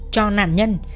cho nạn nhân